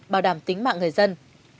bảo đảm tính mạng người dân